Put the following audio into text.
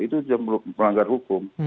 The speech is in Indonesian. itu melanggar hukum